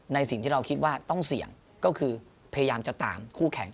สิ่งที่เราคิดว่าต้องเสี่ยงก็คือพยายามจะตามคู่แข่ง